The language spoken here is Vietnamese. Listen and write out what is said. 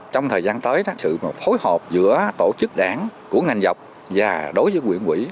trong thời gian tới sự phối hợp giữa tổ chức đảng của ngành dọc và đối với quyền quỹ